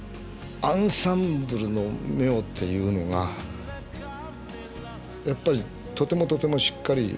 アンサンブルの妙っていうのがやっぱりとてもとてもしっかりしてるし。